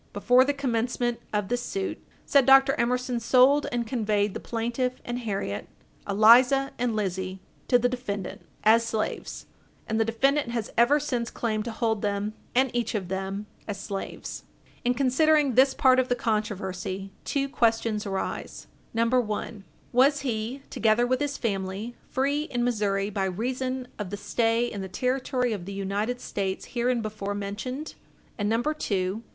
Before the commencement of this suit, said Dr. Emerson sold and conveyed the plaintiff, and Harriet, Eliza, and Lizzie, to the defendant, as slaves, and the defendant has ever since claimed to hold them, and each of them, as slaves. In considering this part of the controversy, two questions arise: 1. Was he, together with his family, free in Missouri by reason of the stay in the territory of the United States hereinbefore Page 60 U. S. 432 mentioned? And 2.